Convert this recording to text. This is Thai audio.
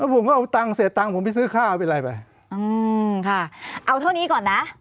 ผมก็เอาตังค์เสียตังค์ผมไปซื้อข้าวเป็นไรไปอืมค่ะเอาเท่านี้ก่อนนะ